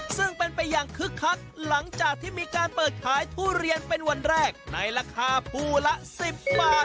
ซึ่งเป็นไปอย่างคึกคักหลังจากที่มีการเปิดขายทุเรียนเป็นวันแรกในราคาภูละ๑๐บาท